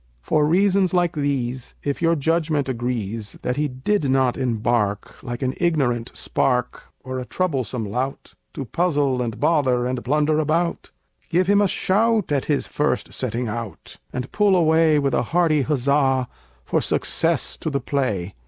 For reasons like these, If your judgment agrees That he did not embark Like an ignorant spark, Or a troublesome lout, To puzzle and bother, and blunder about, Give him a shout, At his first setting out! And all pull away With a hearty huzza For success to the play!